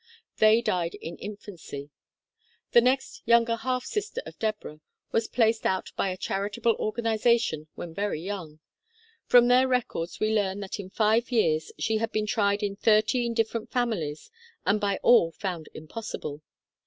They died in in fancy. The next younger half sister of Deborah was placed out by a charitable organization when very young. From their records we learn that in five years she had been tried in thirteen different families and by all found impossible.